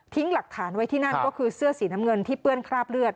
หลักฐานไว้ที่นั่นก็คือเสื้อสีน้ำเงินที่เปื้อนคราบเลือด